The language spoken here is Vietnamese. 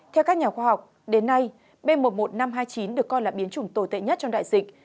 theo các nhà khoa học đến nay b một mươi một nghìn năm trăm hai mươi chín được coi là biến chủng tồi tệ nhất trong đại dịch